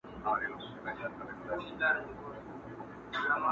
کله د طاووس په رنګینیو پټېدلای سې !